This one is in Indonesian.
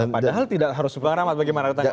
padahal tidak harus beramat bagaimana ditanya